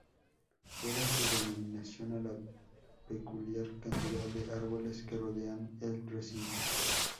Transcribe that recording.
Debe su denominación a la peculiar cantidad de árboles que rodean el recinto.